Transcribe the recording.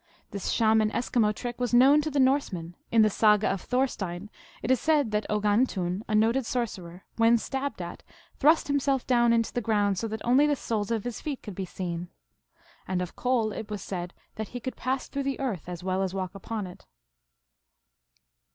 This Shaman Eskimo trick was known to the Norse men. In the Saga of Thorstein it i said that Ogan tun, a noted sorcerer, when stabbed at, " thrust him self down into the ground, so that only the soles of his feet could be seen ;" and of Kol it was said that "he could pass through the earth as well as walk upon it."